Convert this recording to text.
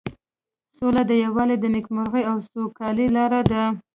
سوله او یووالی د نیکمرغۍ او سوکالۍ لاره ده.